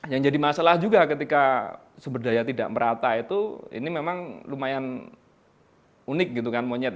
yang jadi masalah juga ketika sumber daya tidak merata itu ini memang lumayan unik gitu kan monyet